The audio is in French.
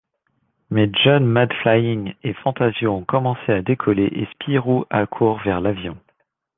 Mais John Madflying et Fantasio ont commencé à décoller et Spirou accourt vers l’avion.